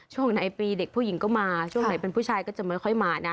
ช่วงไหนปีเด็กผู้หญิงก็มาช่วงไหนเป็นผู้ชายก็จะไม่ค่อยมานะ